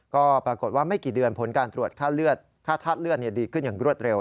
ก็ปรากฏว่าไม่กี่เดือนผลการตรวจค่าเลือดดีขึ้นอย่างรวดเร็ว